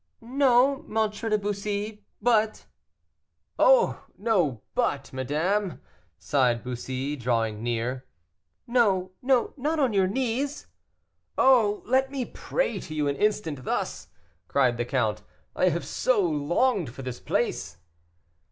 "No, M. de Bussy, but " "Oh! no 'but,' madame," sighed Bussy, drawing near again. "No, no, not on your knees!" "Oh! let me pray to you an instant, thus!" cried the count. "I have so longed for this place."